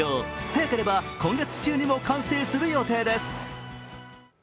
早ければ今月中にも完成する予定です。